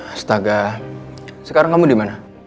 astaga sekarang kamu di mana